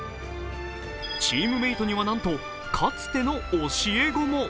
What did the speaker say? チームメイトには、なんとかつての教え子も。